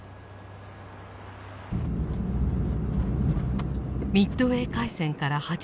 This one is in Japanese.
ミッドウェー海戦から８０年を迎えた